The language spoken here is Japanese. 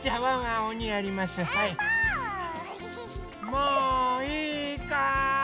もういいかい？